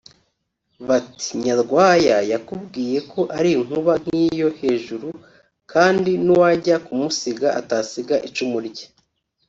Bati “Nyarwaya yakubwiye ko ari inkuba nk’iyo hejuru kandi n’uwajya kumusiga atasiga icumu rye”